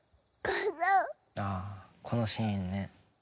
「ああこのシーンね」